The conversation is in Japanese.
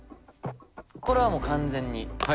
これはもう完全に。